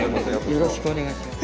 よろしくお願いします。